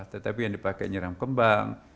tetapi yang dipakai nyeram kembang